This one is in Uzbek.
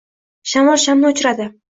Shamol shamni o’chiradi.